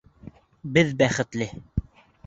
— Беҙ бәхетле!